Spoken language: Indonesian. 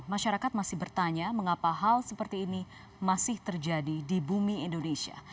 masyarakat masih bertanya mengapa hal seperti ini masih terjadi di bumi indonesia